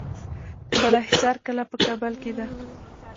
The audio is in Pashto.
د بالاحصار کلا په کابل کې ده